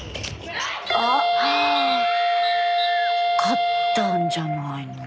勝ったんじゃないの？